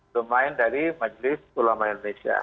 domain dari majelis ulama indonesia